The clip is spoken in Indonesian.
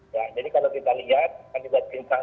jadi kalau kita lihat kandidat krim sang